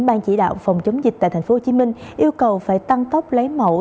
ban chỉ đạo phòng chống dịch tại tp hcm yêu cầu phải tăng tốc lấy mẫu